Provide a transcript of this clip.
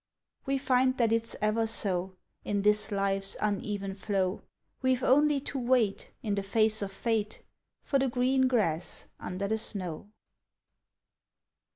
We find that it's ever so In this life's uneven flow; We've only to wait, In the face of fate, For the green grass under the snow.